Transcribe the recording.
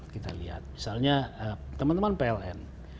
misalnya teman teman pln